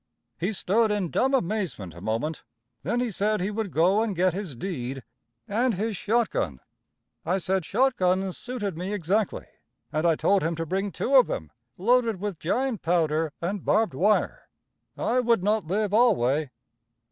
He stood in dumb amazement a moment, then he said he would go and get his deed and his shotgun. I said shotguns suited me exactly, and I told him to bring two of them loaded with giant powder and barbed wire. I would not live alway.